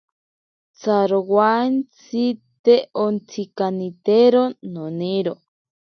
Tsarowantsi te ontsikanitero noniro.